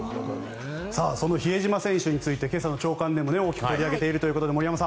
その比江島選手について今朝の朝刊でも大きく取り上げているということで。